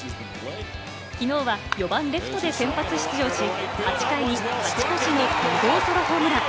昨日は４番・レフトで先発出場し、８回に勝ち越しの２号ソロホームラン。